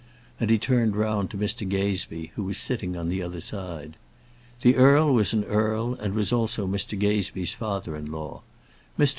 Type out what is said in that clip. and he turned round to Mr. Gazebee, who was sitting on the other side. The earl was an earl, and was also Mr. Gazebee's father in law. Mr.